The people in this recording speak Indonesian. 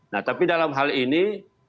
nah tapi dalam hal ini